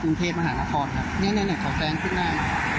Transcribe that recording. อุงเทศมหาละครนะเนี่ยขอแจ้งข้างหน้า